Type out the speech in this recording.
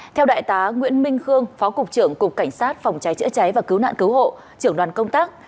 theo đại tá nguyễn minh khương phó cục trưởng cục cảnh sát phòng cháy chữa cháy và cứu nạn cứu hộ trưởng đoàn công tác